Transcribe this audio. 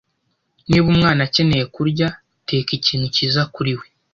Niba umwana akeneye kurya, teka ikintu cyiza kuri we.